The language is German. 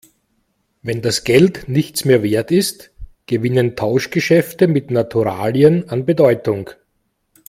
Wenn das Geld nichts mehr Wert ist, gewinnen Tauschgeschäfte mit Naturalien an Bedeutung.